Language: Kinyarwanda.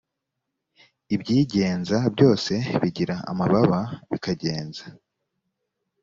ibyigenza byose bigira amababa bikagenza